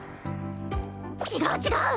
違う違う！